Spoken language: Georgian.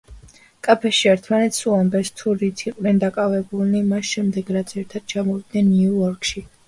კაფეში ერთმანეთს უამბეს, თუ რით იყვნენ დაკავებულნი მას შემდეგ, რაც ერთად ჩამოვიდნენ ნიუ-იორკში.